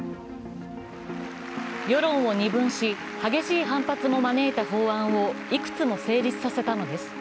世論を二分し、激しい反発も招いた法案をいくつも成立させたのです。